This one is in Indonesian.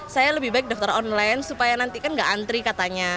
saya lebih baik daftar online supaya nanti kan nggak antri katanya